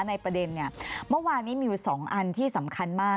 ในประเด็นเนี่ยเมื่อวานนี้มีอยู่๒อันที่สำคัญมาก